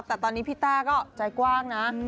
แต่ตอนนี้พี่ต้าก็ใจกว้างนะ